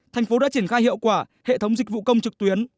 thành phố đã triển khai hiệu quả hệ thống dịch vụ công trực tuyến